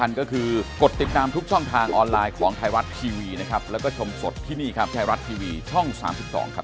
เงินดีงานดีครับผม